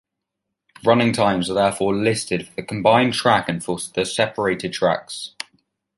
Running times are therefore listed for the combined track and for the separated tracks.